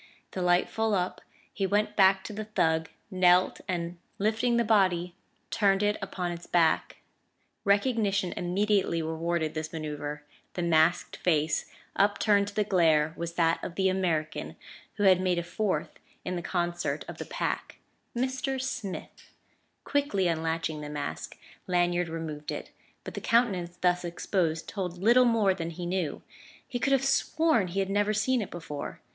The light full up, he went back to the thug, knelt and, lifting the body, turned it upon its back. Recognition immediately rewarded this manoeuvre: the masked face upturned to the glare was that of the American who had made a fourth in the concert of the Pack "Mr. Smith," Quickly unlatching the mask, Lanyard removed it; but the countenance thus exposed told little more than he knew; he could have sworn he had never seen it before.